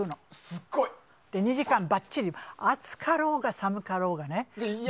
それで２時間ばっちり暑かろうが寒かろうがね。